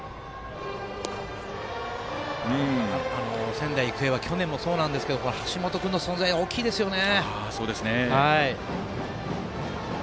仙台育英は去年もそうですが橋本君の存在が大きいですね。